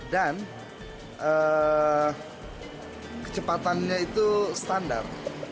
dan kecepatannya itu standar